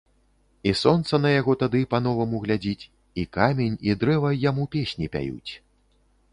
І сонца на яго тады па-новаму глядзіць, і камень, і дрэва яму песні пяюць.